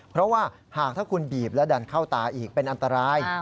เพราะว่าหากถ้าคุณบีบและดันเข้าตาอีกเป็นอันตราย